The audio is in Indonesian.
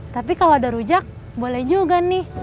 tapi kalau ada rujak boleh juga nih